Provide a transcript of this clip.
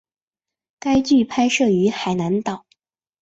该剧拍摄于海南岛。